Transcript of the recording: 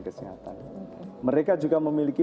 kesehatan mereka juga memiliki